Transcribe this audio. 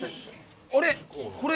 あれ？